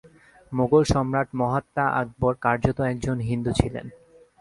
মোগল সম্রাট মহাত্মা আকবর কার্যত একজন হিন্দু ছিলেন।